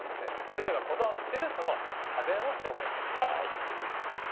俺らがこだわってるその家電を紹介いたします。